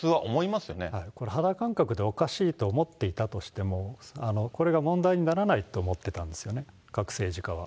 これ、肌感覚でおかしいと思っていたとしても、これが問題にならないと思ってたんですよね、各政治家は。